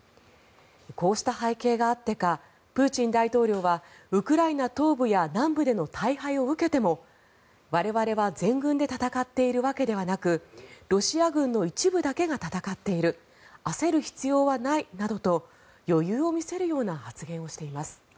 こうした背景があってかプーチン大統領はウクライナ東部や南部での大敗を受けても我々は全軍で戦っているわけではなくロシア軍の一部だけが戦っている焦る必要はないなどと余裕を見せるような発言をしています。